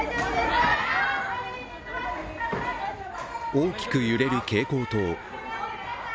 大きく揺れる蛍光灯。